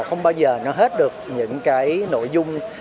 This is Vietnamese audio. không bao giờ nó hết được những nội dung